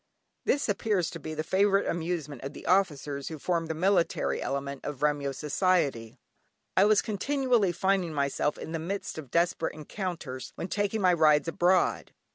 This appears to be the favourite amusement of the officers who form the military element of Remyo society. I was continually finding myself in the midst of desperate encounters when taking my rides abroad.